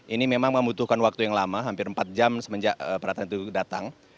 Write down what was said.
ini memang membutuhkan waktu yang lama hampir empat jam semenjak peraturan itu datang